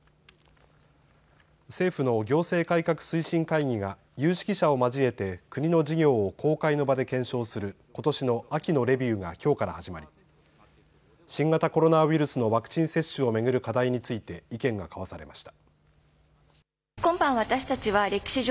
政府の行政改革推進会議が有識者を交えて国の事業を公開の場で検証することしの秋のレビューがきょうから始まり新型コロナウイルスのワクチン接種を巡る課題について意見が交わされました。